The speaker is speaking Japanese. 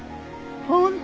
本当！